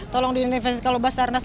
tolong di universitas kalobas tarnas